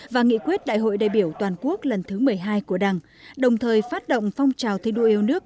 và phát triển khuyết đại hội đại biểu toàn quốc lần thứ một mươi hai của đăng đồng thời phát động phong trào thi đua yêu nước